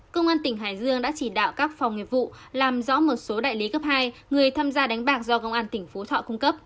công an tỉnh hải dương đã chỉ đạo các phòng nghiệp vụ làm rõ một số đại lý cấp hai người tham gia đánh bạc do công an tỉnh phú thọ cung cấp